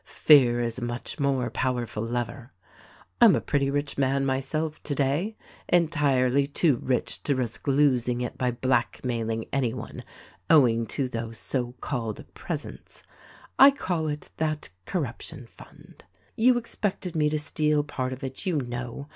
Fear is a much more powerful lever. I'm a pretty rich man myself today — entirely too rich to risk losing it by blackmailing any one — owing to those so called presents. I call it "That corruption fund.' You expected me to steal part of it, you know.